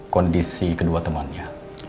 kondisi kedua temannya